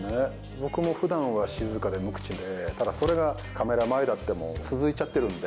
僕も普段は静かで無口でただそれがカメラ前であっても続いちゃってるんで。